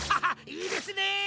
いいですね！